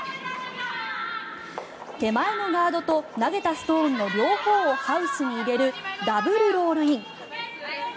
手前のガードと投げたストーンの両方をハウスに入れるダブル・ロールイン。